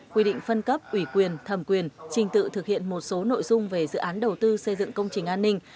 quy định phân cấp ủy quyền thẩm quyền trình tự thực hiện một số nội dung về dự án đầu tư xây dựng công trình an ninh